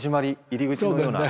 入り口のような。